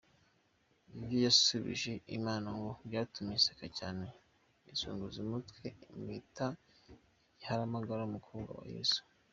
Ibyo yasubije Imana ngo byatumye iseka cyane, izunguza umutwe imwita Igiharamagara, Umukobwa wa Yesu.